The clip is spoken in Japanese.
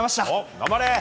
頑張れ！